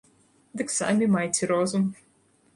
Дык самі майце розум.